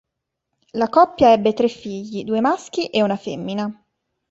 La coppia ebbe tre figli: due maschi e una femmina.